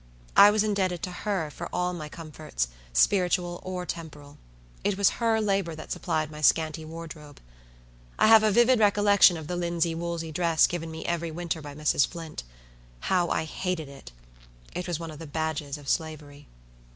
I was indebted to her for all my comforts, spiritual or temporal. It was her labor that supplied my scanty wardrobe. I have a vivid recollection of the linsey woolsey dress given me every winter by Mrs. Flint. How I hated it! It was one of the badges of slavery.